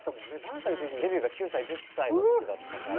デビューが９歳１０歳の時だったから。